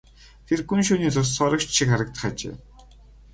Тэр гүн шөнийн цус сорогч шиг харагдах ажээ.